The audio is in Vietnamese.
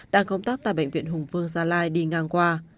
đang công tác tại bệnh viện hùng vương gia lai đi ngang qua